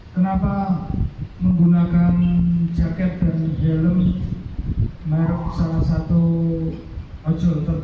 kenapa menggunakan jaket dan helm menaruh salah satu ojol